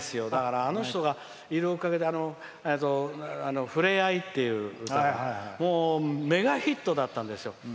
あの人がいるおかげで「ふれあい」っていう歌がメガヒットだったんですよ。